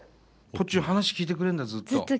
ぽっちゅん話聞いてくれんだずっと。